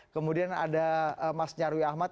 kemudian ada mas nyarwi ahmad